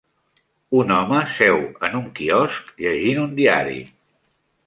Un home seu en un quiosc llegint un diari